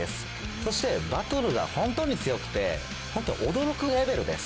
そしてバトルがホントに強くて驚くレベルです。